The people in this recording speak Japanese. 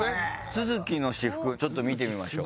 都築の私服ちょっと見てみましょう。